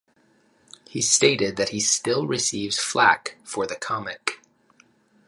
He stated that he still receives flak for the comic.